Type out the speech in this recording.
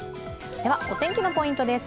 お天気のポイントです。